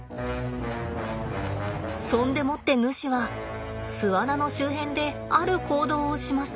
そんでもってヌシは巣穴の周辺である行動をします。